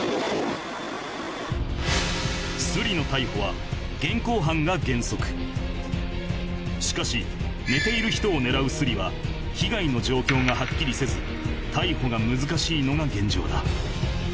スリの逮捕はしかし寝ている人を狙うスリは被害の状況がはっきりせずのが現状だ